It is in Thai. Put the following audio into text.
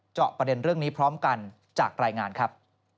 เจาะประเด็นเรื่องนี้พร้อมกันจากรายงานครับ